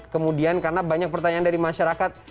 kemudian karena banyak pertanyaan dari masyarakat